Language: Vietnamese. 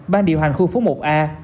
ban điều hành khu phú một a